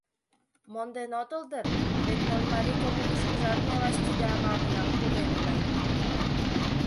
Монден отыл дыр, вет Нольмарий коммунышкыжат ме лач тиде амал денак пуренна.